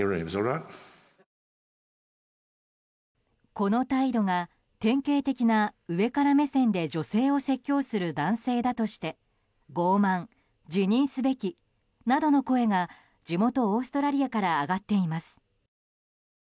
この態度が典型的な上から目線で女性を説教する男性だとして傲慢、辞任すべきなどの声が地元オーストラリアから上がっています。